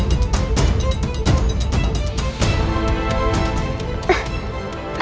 segera menemui ibu